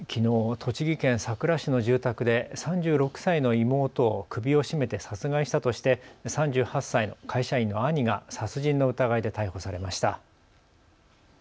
栃木県さくら市の住宅で３６歳の妹を首を絞めて殺害したとして３８歳の会社員の兄が殺人の疑いで逮捕されました。